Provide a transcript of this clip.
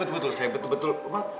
betul betul sayang betul betul